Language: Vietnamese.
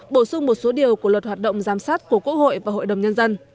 bổ sung một số điều của luật hoạt động giám sát của quốc hội và hội đồng nhân dân